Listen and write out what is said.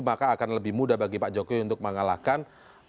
maka akan lebih mudah bagi pak jokowi untuk mengalahkan